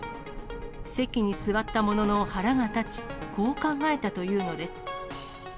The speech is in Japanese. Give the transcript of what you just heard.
席に座ったものの、腹が立ち、こう考えたというのです。